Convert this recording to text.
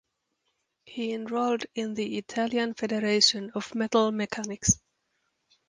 He enrolled in the Italian Federation of Metal Mechanics.